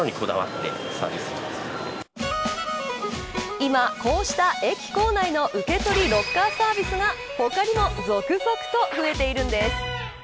今、こうした駅構内の受け取りロッカーサービスが他にも続々と増えているんです。